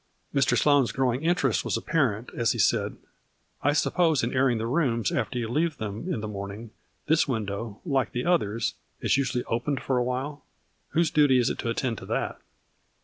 ,, Mr. Sloane's growing interest was apparent as he said, " I suppose in airing the rooms after you leave them in the morning this window, like the others, is usually opened for a while ? Whose duty is it to attend to that